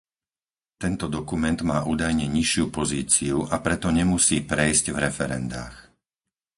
Tento dokument má údajne nižšiu pozíciu, a preto nemusí prejsť v referendách.